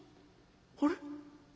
あれ？